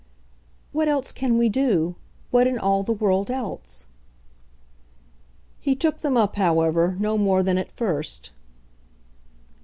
"What else can we do, what in all the world else?" He took them up, however, no more than at first.